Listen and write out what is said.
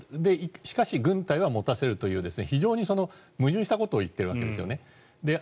しかし軍隊は持たせるという非常に矛盾したことを言っているわけですね。